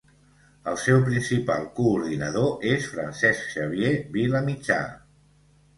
El seu principal coordinador és Francesc Xavier Vila Mitjà.